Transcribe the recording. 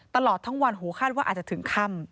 ตลอดทั้งวันหูคาดว่าอาจจะถึงค่ำ